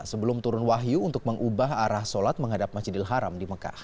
sebelum turun wahyu untuk mengubah arah sholat menghadap masjidil haram di mekah